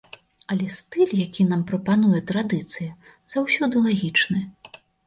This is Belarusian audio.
Але стыль, які нам прапануе традыцыя, заўсёды лагічны.